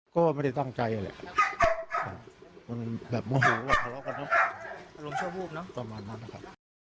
ก็ไม่ได้ตั้งใจเลยมันแบบมอบหูต่อมานั้นนะคะ